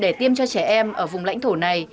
để tiêm cho trẻ em ở vùng lãnh thổ này